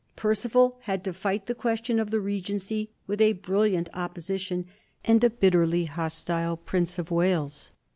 Perceval had to fight the question of the Regency with a brilliant Opposition and a bitterly hostile Prince of Wales.